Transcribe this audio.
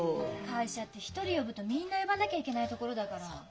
会社って１人呼ぶとみんな呼ばなきゃいけない所だから。